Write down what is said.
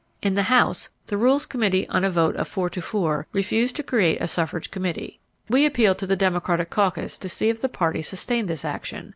In the House, the Rules Committee on a vote of 4 to 4 refused to create a suffrage committee. We appealed to the Democratic caucus to see if tie party sustained this action.